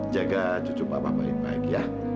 jaga cucu bapak baik baik ya